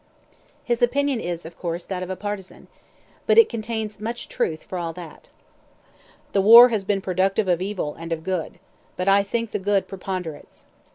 His opinion is, of course, that of a partisan. But it contains much truth, for all that: The war has been productive of evil and of good; but I think the good preponderates.